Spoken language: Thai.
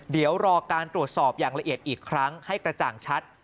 เดี๋ยวรอการตรวจสอบอย่างละเอียดอีกครั้งให้กระจ่างชัด